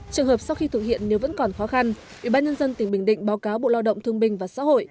trường hợp sau khi thực hiện nếu vẫn còn khó khăn ủy ban nhân dân tỉnh bình định báo cáo bộ lao động thương bình và xã hội